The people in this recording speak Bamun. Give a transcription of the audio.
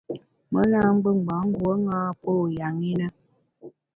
Mùn na ngbù ngbâ nguo ṅa pô ya ṅi na.